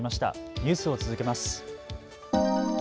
ニュースを続けます。